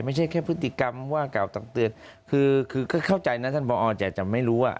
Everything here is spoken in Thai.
ไม่ใช่แค่พฤติกรรมว่ากล่าวตักเตือนคือคือก็เข้าใจนะท่านพอจะไม่รู้อ่ะ